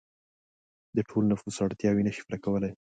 د ټول نفوس اړتیاوې نشي پوره کولای.